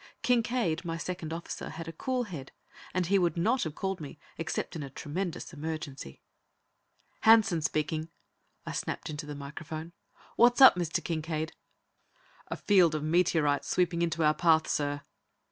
Kincaide, my second officer, had a cool head, and he would not have called me except in a tremendous emergency. "Hanson speaking!" I snapped into the microphone. "What's up, Mr. Kincaide?" "A field of meteorites sweeping into our path, sir."